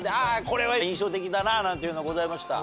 これは印象的だななんていうのございました？